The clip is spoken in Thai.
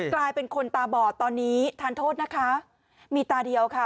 กลายเป็นคนตาบอดตอนนี้ทานโทษนะคะมีตาเดียวค่ะ